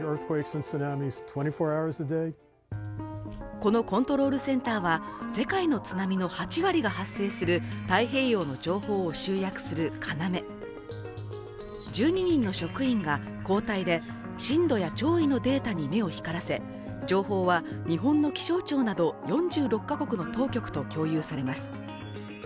このコントロールセンターは世界の津波の８割が発生する太平洋の情報を集約する要１２人の職員が交代で震度や潮位のデータに目を光らせ、情報は日本の気象庁など４６カ国の当局と共有されます。